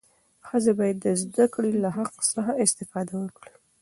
ښځې باید د زدهکړې له حق څخه استفاده وکړي.